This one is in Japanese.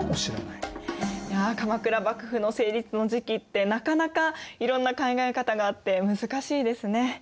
いや鎌倉幕府の成立の時期ってなかなかいろんな考え方があって難しいですね。